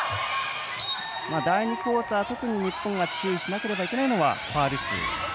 第２クオーター、特に日本が注意しなければいけないのはファウル数。